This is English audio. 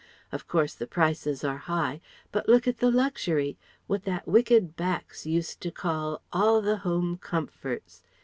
Of course the prices are high. But look at the luxury! What that wicked Bax used to call 'All the Home Comforts.'